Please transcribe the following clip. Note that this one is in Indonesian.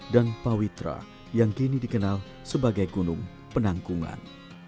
dan pawitra yang kini dikenal sebagai gunung penangkungan